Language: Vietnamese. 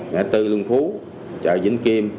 nghĩa tư lương phú chợ vĩnh kim